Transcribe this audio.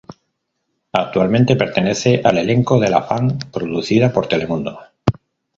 Actualmente pertenece al elenco de "La fan" producida por Telemundo.